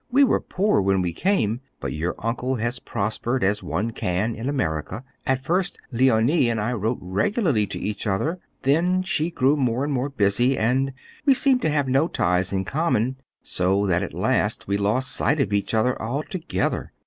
We were poor when we came, but your uncle has prospered as one can in America. At first Leonie and I wrote regularly to each other. Then she grew more and more busy, and we seemed to have no ties in common, so that at last we lost sight of each other altogether."